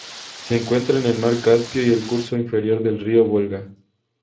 Se encuentra en el mar Caspio y el curso inferior del río Volga.